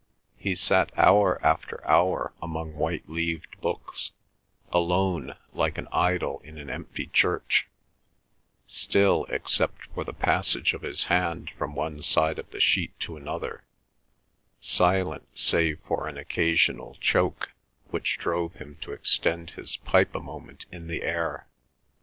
He sat hour after hour among white leaved books, alone like an idol in an empty church, still except for the passage of his hand from one side of the sheet to another, silent save for an occasional choke, which drove him to extend his pipe a moment in the air.